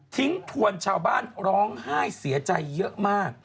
ทวนชาวบ้านร้องไห้เสียใจเยอะมาก